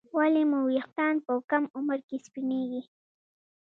ولې مو ویښتان په کم عمر کې سپینېږي